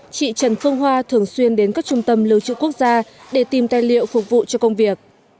chị trần phương hoa thường xuyên đến các trung tâm lưu trữ quốc gia để tìm tài liệu phục vụ cho công việc